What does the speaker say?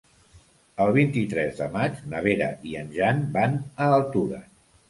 El vint-i-tres de maig na Vera i en Jan van a Altura.